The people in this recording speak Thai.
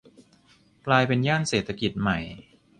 กลายเป็นย่านเศรษฐกิจใหม่